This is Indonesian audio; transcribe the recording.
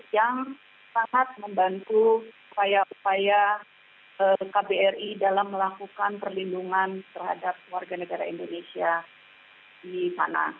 yang sangat membantu upaya upaya kbri dalam melakukan perlindungan terhadap warga negara indonesia di sana